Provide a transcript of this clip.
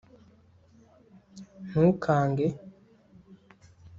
ntukange